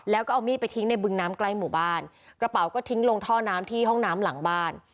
แล้วก็เอามีดไปทิ้งในบึงน้ำใกล้หมู่บ้านกระเป๋าก็ทิ้งลงท่อน้ำที่ห้องน้ำหลังบ้าน